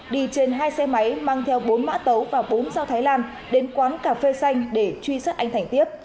đi trên hai xe máy mang theo bốn mã tấu và bốn dao thái lan đến quán cà phê xanh để truy sát anh thành tiếp